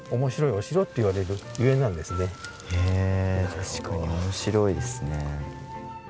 確かに面白いですね。